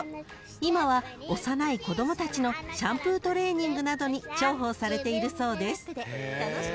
今は幼い子供たちのシャンプートレーニングなどに重宝されているそうです］